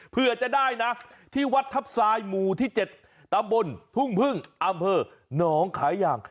เพื่อจะได้นะที่วัดทัพทรายหมู่ที่๗ตำบลทุ่งพึ่งอำเภอหนองขาย่าง